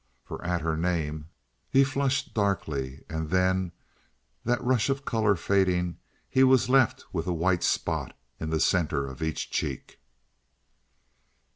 For at her name he flushed darkly, and then, that rush of color fading, he was left with a white spot in the center of each cheek.